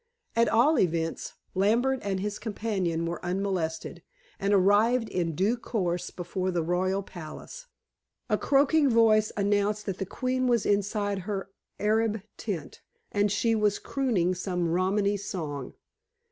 At all events, Lambert and his companion were unmolested, and arrived in due course before the royal palace. A croaking voice announced that the queen was inside her Arab tent, and she was crooning some Romany song.